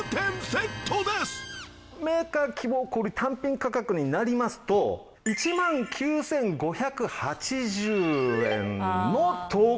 メーカー希望小売単品価格になりますと１万９５８０円のところ。